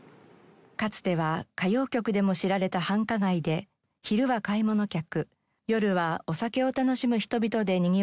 かつては歌謡曲でも知られた繁華街で昼は買い物客夜はお酒を楽しむ人々でにぎわいました。